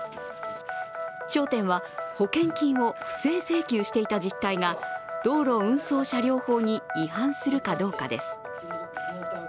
焦点は、保険金を不正請求していた実態が道路運送車両法に違反するかどうかです。